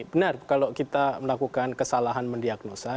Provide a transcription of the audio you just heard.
benar kalau kita melakukan kesalahan mendiagnosa